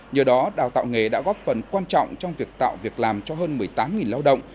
nhờ đó đào tạo nghề đã góp phần quan trọng trong việc tạo việc làm cho hơn một mươi tám lao động